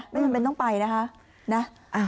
ไม่มีที่ต้องไปนะคะ